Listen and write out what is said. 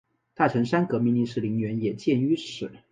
大城山革命烈士陵园也建于此。